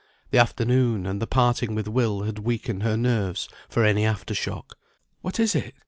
The afternoon, and the parting with Will, had weakened her nerves for any after shock. "What is it?